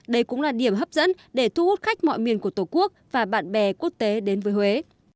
đây cũng là điểm hấp dẫn để thu hút khách mọi miền của tổ quốc và bạn bè quốc tế đến với huế